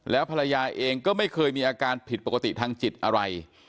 แล้วภรรยาเองก็ไม่เคยมีอาการผิดปกติทางจิตอะไร